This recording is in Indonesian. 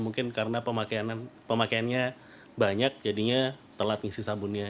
mungkin karena pemakaiannya banyak jadinya telat ngisi sabunnya